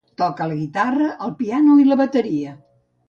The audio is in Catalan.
Toca la guitarra, el piano i la bateria.